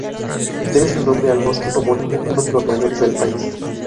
Debe su nombre al bosque homónimo, uno de los mayores del país.